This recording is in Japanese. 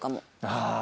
ああ。